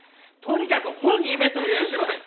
とにかく本イベントの趣旨は。